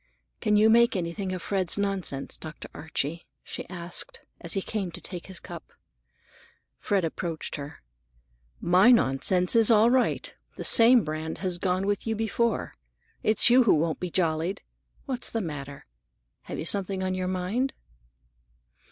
"Can you make anything of Fred's nonsense, Dr. Archie?" she asked, as he came to take his cup. Fred approached her. "My nonsense is all right. The same brand has gone with you before. It's you who won't be jollied. What's the matter? You have something on your mind."